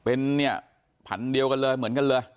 เป็นเนี่ยผันเดียวกันเลยเหมือนกันเลย